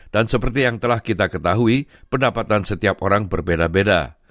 dan seperti yang telah kita ketahui pendapatan setiap orang berbeda beda